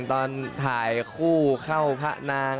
ตอนถ่ายคู่เข้าพระนาง